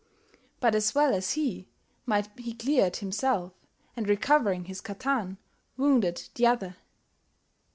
But as well as hee might he cleared himselfe, and recouering his cattan, wounded the other.